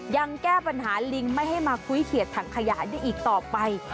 ยังแก้ปัญหาลิงไม่ให้มาคุ้ยเขียดถังขยายได้อีกต่อไป